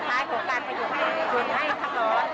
แต่เมื่อวานนี้คือวันสุดท้ายของการหยุดภาครอศ